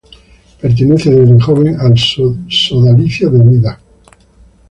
Pertenece desde joven al Sodalicio de Vida Cristiana.